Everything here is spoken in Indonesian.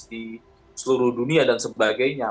di seluruh dunia dan sebagainya